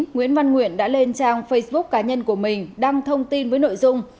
nguyễn văn nguyện đã lên trang facebook cá nhân của mình đăng thông tin với nội dung